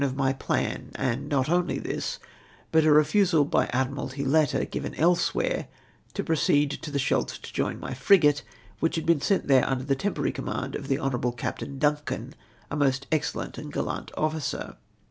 of my plan, and not only this, bnt a refusal by Admiralty letter, given elsewhere, to proceed to the Scheldt to join my frigate, which had been sent there imder the temporary command of the Hon. Captain Duncan, a most excellent and gallant officer.